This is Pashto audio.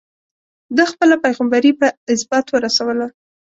ده خپله پيغمبري په ازبات ورسوله.